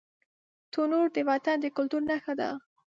تنور د وطن د کلتور نښه ده